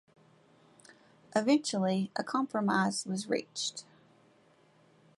Eventually, a compromise was reached.